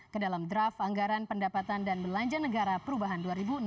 ke dalam draft anggaran pendapatan dan belanja negara perubahan dua ribu enam belas